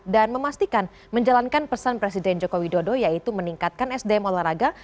dan memastikan menjalankan pesan presiden joko widodo yaitu meningkatkan sdm olahraga